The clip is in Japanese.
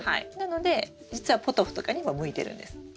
なので実はポトフとかにも向いてるんです。